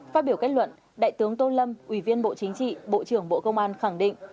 phát biểu kết luận đại tướng tô lâm ủy viên bộ chính trị bộ trưởng bộ công an khẳng định